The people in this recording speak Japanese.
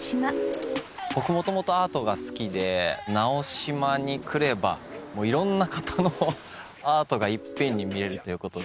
僕もともとアートが好きで直島に来ればいろんな方のアートが一遍に見れるということで。